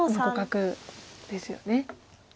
互角ですよね。